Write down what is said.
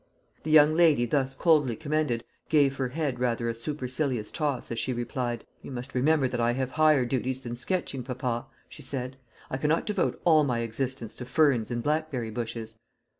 The young lady thus coldly commended gave her head rather a supercilious toss as she replied, "You must remember that I have higher duties than sketching, papa," she said; "I cannot devote all my existence to ferns and blackberry bushes."